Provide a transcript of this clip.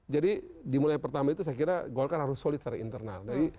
jadi di mulai pertama itu saya kira golkar harus solid dari internal